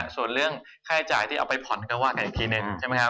ส่วนเรื่องค่าจ่ายที่เอาไปผ่อนก็ว่ากับอีกทีเน็ต